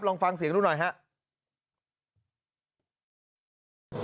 ลองฟังเสียงดูหน่อยครับ